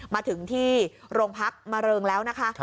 มาถึงที่โรงพักมาเริยงแล้ว